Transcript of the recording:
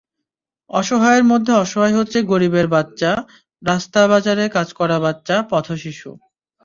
অসহায়ের মধ্যে অসহায় হচ্ছে গরিবের বাচ্চা, রাস্তা-বাজারে কাজ করা বাচ্চা, পথশিশু।